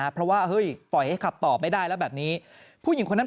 เพราะว่าเฮ้ยปล่อยให้ขับต่อไม่ได้แล้วแบบนี้ผู้หญิงคนนั้น